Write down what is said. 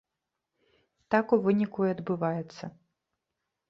Так у выніку і адбываецца.